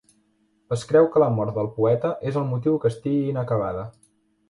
Es creu que la mort del poeta és el motiu que estigui inacabada.